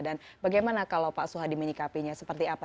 dan bagaimana kalau pak suhadi menyikapinya seperti apa